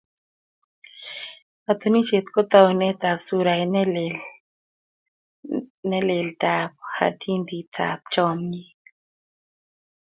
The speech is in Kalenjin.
katunisiet ko taunetab surait nelel tab hatindi tab chamyet